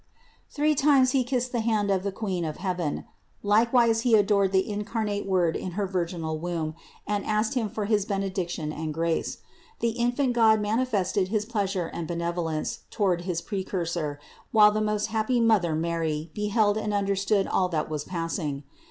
Three times he kissed the hand of the Queen of heaven; likewise he adored the incarnate Word in her virginal Womb, and asked Him for his benediction and grace. The infant God manifested his pleasure and benevolence toward his Precursor, while the most happy Mother Mary beheld and understood all that was passing.